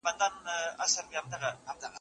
سلطان